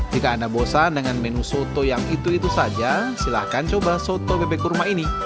jika anda bosan dengan menu soto yang itu itu saja silahkan coba soto bebek kurma ini